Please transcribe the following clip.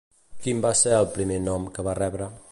Quin va ser el primer nom que va rebre?